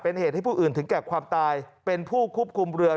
เป็นเหตุให้ผู้อื่นถึงแก่ความตายเป็นผู้ควบคุมเรือ